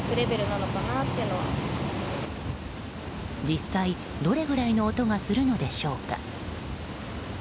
実際、どれぐらいの音がするのでしょうか。